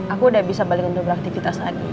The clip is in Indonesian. aku udah bisa balik untuk beraktivitas lagi